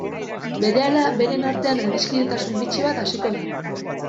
Berehala, beren artean adiskidetasun bitxi bat hasiko da.